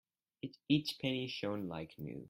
Each penny shone like new.